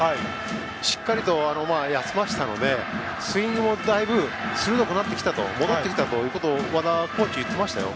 しっかり休ませたのでスイングもだいぶ鋭くなってきたと、戻ってきたと和田コーチ、言っていましたよ。